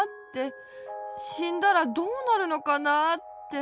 しんだらどうなるのかなあって。